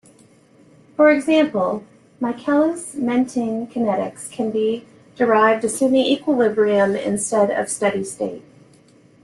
For example, Michaelis-Menten kinetics can be derived assuming equilibrium instead of steady state.